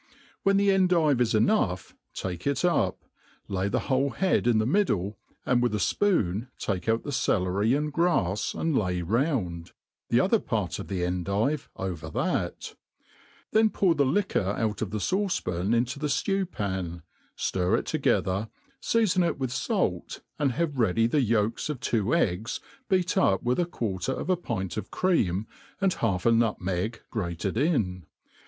When the endive is enough, take it up, lay the .whole head in the middle, and with a fpoon take out the celery and grafs and lay round, the other part of the endive over that; then pour the liquor out of the fauce pan into the ftew pan, ftir ic together, feafon it with fait, and have ready the voU^s of two eggs, beat up with a quarter of a pint of cream, and half a nut meg grated in.